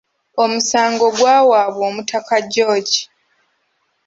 Omusango gwawaabwa Omutaka George.